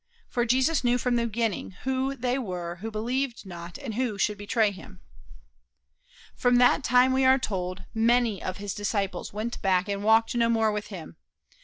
For Jesus knew from the beginning who they were who believed not and who should betray him." From that time, we are told, many of his disciples went back and walked no more with him.